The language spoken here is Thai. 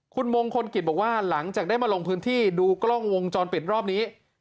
คุณมงคลกิจบอกว่าหลังจากได้มาลงพื้นที่ดูกล้องวงจรปิดรอบนี้